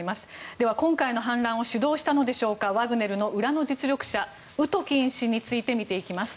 では、今回の反乱を主導したのでしょうかワグネルの裏の実力者ウトキン氏について見ていきます。